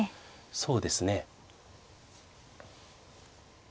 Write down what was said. そうですね。